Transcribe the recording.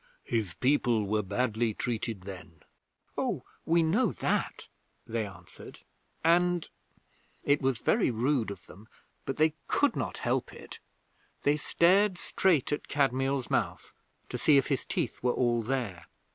'His people were badly treated then.' 'Oh, we know that.' they answered, and (it was very rude of them, but they could not help it) they stared straight at Kadmiel's mouth to see if his teeth were all there.